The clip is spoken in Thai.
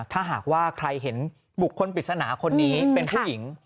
ถ้าหากว่าใครเห็นบุคคลปริศนาคนนี้เป็นผู้หญิง